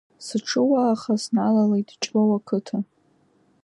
Сыҽуааха сналалеит Ҷлоу ақыҭа.